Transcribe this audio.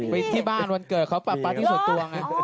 ไปที่บ้านวันเกิดเขาปรับปาร์ตี้ส่วนตัวไง